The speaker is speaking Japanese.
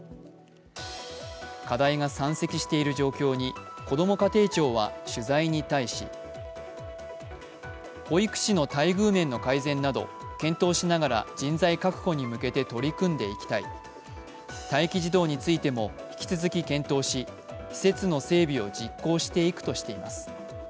課題が山積している状況に、こども家庭庁は取材に対し保育士の待遇面の改善など検討しながら人材確保に向けて取り組んでいきたい、待機児童についても引き続き検討し、施設の整備を実行していくとしています。